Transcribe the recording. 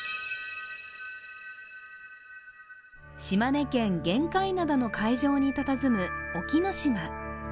島根県・玄界灘の海上にたたずむ隠岐の島。